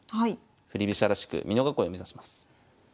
振り飛車らしく美濃囲いを目指します。